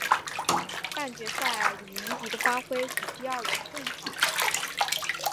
半决赛李云迪的发挥比第二轮更好。